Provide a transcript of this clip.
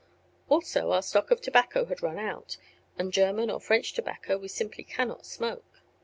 Also, our stock of tobacco had run out, and German or French tobacco we simply cannot smoke.